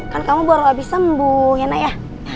kan kamu baru habis sembuh ya nak ya